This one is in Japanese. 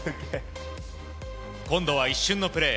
今度は一瞬のプレー。